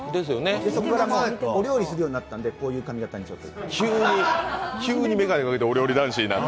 そこからお料理するようになったんでこういう髪形にしました。